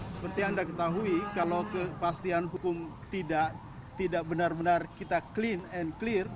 seperti yang anda ketahui kalau kepastian hukum tidak benar benar kita clean and clear